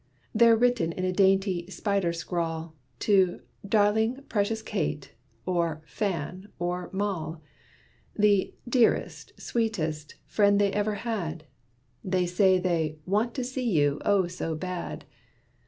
They're written in a dainty, spider scrawl, To 'darling, precious Kate,' or 'Fan,' or 'Moll.' The 'dearest, sweetest' friend they ever had. They say they 'want to see you, oh, so bad!'